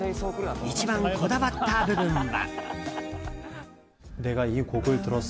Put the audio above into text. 一番こだわった部分は。